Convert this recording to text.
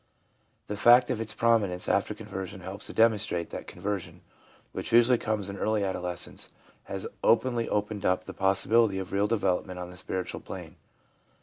The fact of its prominence after conversion helps to demonstrate that conversion, which usually comes in early adolescence, has only opened up the possibility of real development on the spiritual plane.